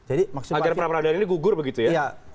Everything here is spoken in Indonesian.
agar peradilan ini gugur begitu ya